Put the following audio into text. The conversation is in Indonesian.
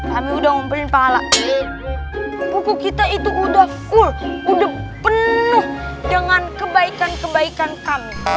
kami udah ngumpulin pahala buku kita itu udah full udah penuh dengan kebaikan kebaikan kami